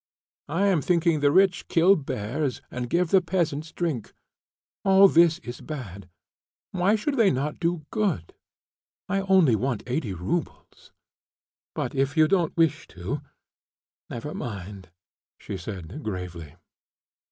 I am thinking the rich kill bears and give the peasants drink; all this is bad. Why should they not do good? I only want 80 roubles. But if you don't wish to, never mind," she added, gravely.